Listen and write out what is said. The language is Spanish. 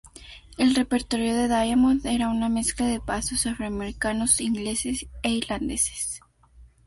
El repertorio de Diamond era una mezcla de pasos afroamericanos, ingleses, e irlandeses.